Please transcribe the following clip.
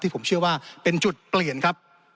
ผมเชื่อว่าเป็นจุดเปลี่ยนครับ